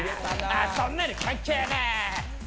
あそんなの関係ねぇ！